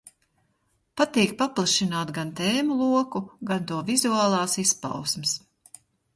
Patīk paplašināt gan tēmu loku, gan to vizuālās izpausmes.